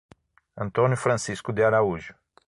Antônio Francisco de Araújo